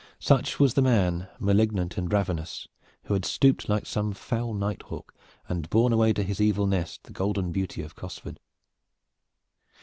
Such was the man, malignant and ravenous, who had stooped like some foul night hawk and borne away to his evil nest the golden beauty of Cosford.